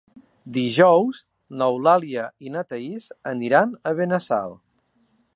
Dijous n'Eulàlia i na Thaís aniran a Benassal.